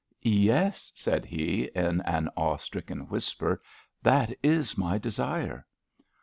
"Yes," said he in an awe stricken whisper. That is my desire."